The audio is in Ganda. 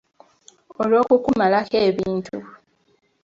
Olw’okukumalako ebintu.